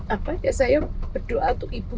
apa ya saya berdoa untuk ibu